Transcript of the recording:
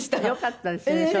よかったですね